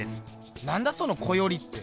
何だその「こより」って。